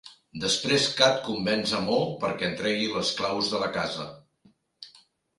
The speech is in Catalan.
Després Kat convenç a Mo perquè entregui les claus de la casa.